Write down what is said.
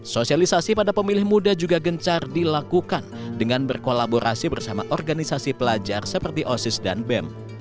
sosialisasi pada pemilih muda juga gencar dilakukan dengan berkolaborasi bersama organisasi pelajar seperti osis dan bem